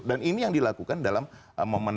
dan ini yang dilakukan dalam momen